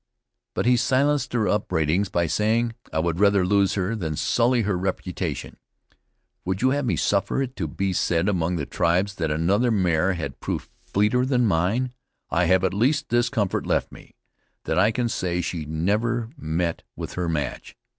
But he silenced their upbraidings by saying: "I would rather lose her than sully her reputation. Would you have me suffer it to be said among the tribes that another mare had proved fleeter than mine? I have at least this comfort left me, that I can say she never met with her match."